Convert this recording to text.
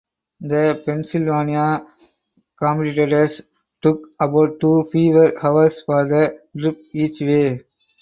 The Pennsylvania competitors took about two fewer hours for the trip each way.